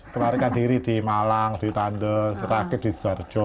lari larikan diri di malang di tande di sdorjo